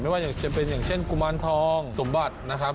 อย่างจะเป็นอย่างเช่นกุมารทองสมบัตินะครับ